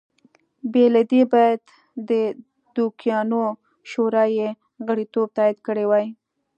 بې له دې باید د دوکیانو شورا یې غړیتوب تایید کړی وای